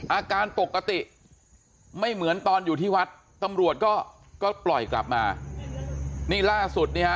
อาการปกติไม่เหมือนตอนอยู่ที่วัดตำรวจก็ก็ปล่อยกลับมานี่ล่าสุดเนี่ยฮะ